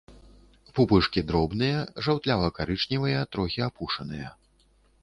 Пупышкі дробныя, жаўтлява-карычневыя, трохі апушаныя.